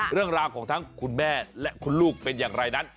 เรื่องราวของทั้งคุณแม่และคุณลูกเป็นอย่างไรนั้น